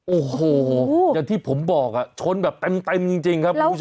โอ้โหอย่างที่ผมบอกชนแบบเต็มจริงครับคุณผู้ชม